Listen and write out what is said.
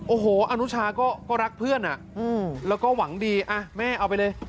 โอ้โหอนุชาก็รักเพื่อนแล้วก็หวังดีแม่เอาไปเลย